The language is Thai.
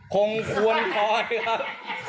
คงควนคลอยครับ